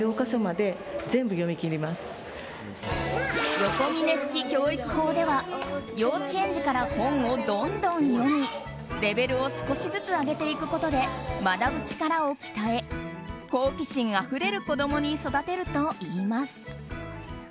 ヨコミネ式教育法では幼稚園児から本をどんどん読みレベルを少しずつ上げていくことで学ぶ力を鍛え、好奇心あふれる子供に育てるといいます。